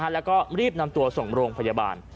แล้วก็รีบนำตัวส่งโรงพยาบาล